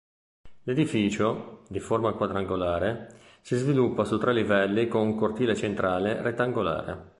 L'edificio, di forma quadrangolare, si sviluppa su tre livelli con un cortile centrale rettangolare.